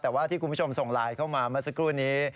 แต่ว่าที่คุณผู้ชมส่งไลน์เข้ามาเมื่อสักครู่นี้